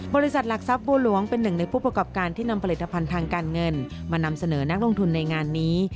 บริษัทหลักทรัพย์บัวหลวงเป็นหนึ่งในผู้ประกอบการที่นำผลิตภัณฑ์ทางการเงินมานำเสนอนักลงทุนในงานนี้